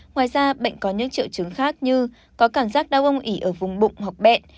ngoài ra bệnh có những triệu chứng khác như có cảm giác đau ung ỉ ở vùng bụng hoặc bẹn